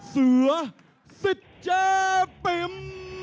เสือสิดเจอร์ปิ้ม